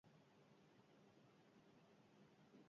Bere osagaiak: esnea, arrautzak, irina, azukrea eta gurina dira.